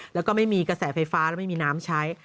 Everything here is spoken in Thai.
แล้วก็ไม่มีกระแสไฟฟ้าแล้วไม่มีน้ำใช้